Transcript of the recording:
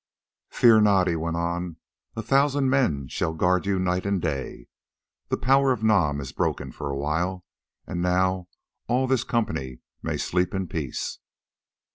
"Fear not," he went on; "a thousand men shall guard you night and day. The power of Nam is broken for a while, and now all this company may sleep in peace."